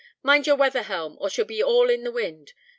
Mind your weather helm, or she'll be all in the wind.